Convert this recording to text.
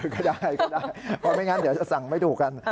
ก็ได้ก็ได้เพราะไม่งั้นเดี๋ยวจะสั่งไม่ถูกกัน